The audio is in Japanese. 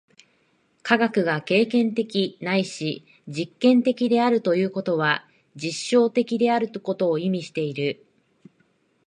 科学が経験的ないし実験的であるということは、実証的であることを意味している。